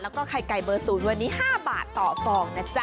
แล้วก็ไข่ไก่เบอร์๐วันนี้๕บาทต่อฟองนะจ๊